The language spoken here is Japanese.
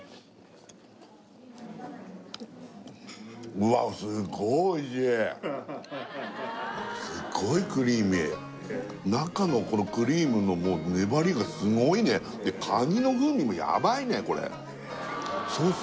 うわーっすっごいクリーミー中のこのクリームの粘りがすごいねでカニの風味もヤバいねこれソース